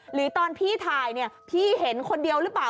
หรือตอนพี่ถ่ายเนี่ยพี่เห็นคนเดียวหรือเปล่า